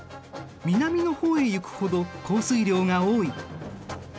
南の方へ行くほど降水量が多い。